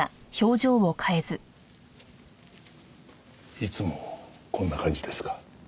いつもこんな感じですか？